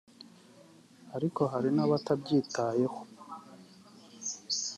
ariko hari n’abatabyitaye ho